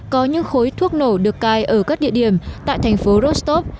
có những khối thuốc nổ được cai ở các địa điểm tại thành phố rostov